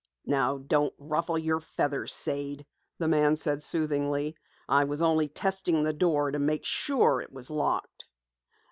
"Now don't ruffle your feathers, Sade," the man said soothingly. "I was only testing the door to make sure it was locked."